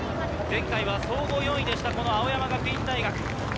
前回、総合４位でした青山学院大学。